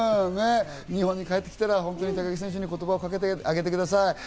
日本に帰ってきたら高木選手に言葉をかけてあげてください。